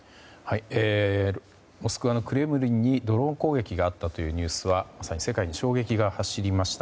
モスクワのクレムリンにドローン攻撃があったというニュースはまさに世界に衝撃が走りました。